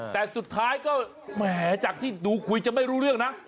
แต่สุดท้ายก็แหมจากที่ดูคุยจะไม่รู้เรื่องนะ